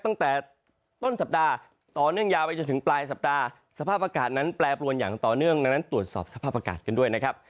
ตั้งแต่ต้นสัปดาห์ต่อเนื่องยาวไปจนถึงปลายสัปดาห์สภาพอากาศนั้นแปรปรวนอย่างต่อเนื่องดังนั้นตรวจสอบสภาพอากาศกันด้วยนะครับ